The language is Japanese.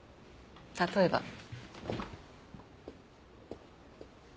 例えば。